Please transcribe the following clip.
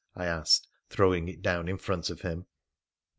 ' I asked, throwing it down in front of him.